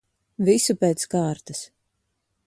Visu pēc kārtas.